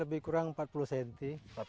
lebih kurang empat puluh cm